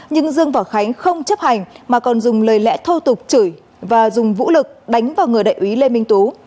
nhưng dương và khánh không chấp hành mà còn dùng lời lẽ thô tục chửi và dùng vũ lực đánh vào người đại úy lê minh tú